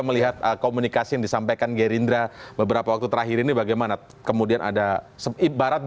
melihat komunikasi yang disampaikan gerindra beberapa waktu terakhir ini bagaimana kemudian ada ibarat